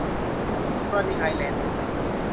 กรณีไอร์แลนด์เหนือ